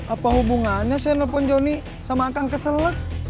apa hubungannya saya nelfon johnny sama kang keselak